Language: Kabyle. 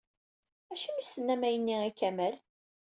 Acimi i as-tennam ayenni i Kamal?